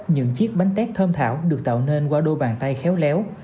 những chiếc bánh tét thơm thảo được tạo nên qua đôi bàn tay khéo léo